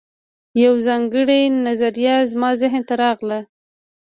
یوه ځانګړې نظریه زما ذهن ته راغله